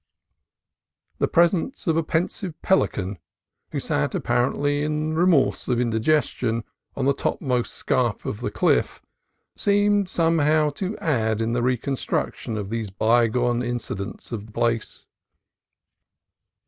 The presence of a pensive pelican, who sat, apparently in the remorse of indigestion, on the top most scarp of the cliff, seemed somehow to aid in the reconstruction of these bygone incidents of the place.